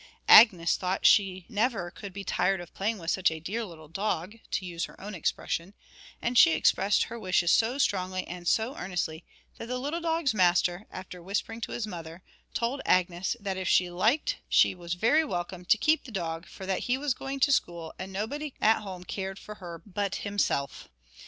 Agnes thought she never could be tired of playing with such a 'dear little dog,' to use her own expression, and she expressed her wishes so strongly and so earnestly that the little dog's master, after whispering to his mother, told Agnes that if she liked she was very welcome to keep the dog, for that he was going to school, and nobody at home cared for her but himself.